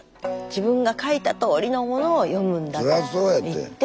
自分が書いたとおりのものを読むんだっていって。